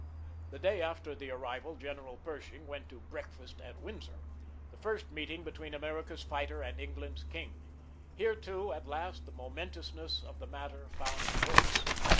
The day after the arrival General Pershing went to "breakfast at Windsor," the first meeting between America's fighter and England's King. Here, at last, the momentousness of the matter found voice.